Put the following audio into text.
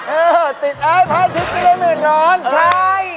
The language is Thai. เออติดเออให้พระอาทิตย์ให้เร็วร้อนใช่